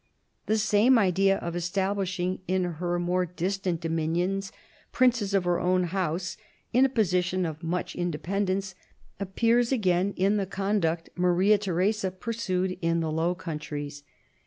The same idea of establishing, in her more distant dominions, princes of her own House in a position of much independence, appears again in the conduct Maria Theresa pursued in the Low Countries.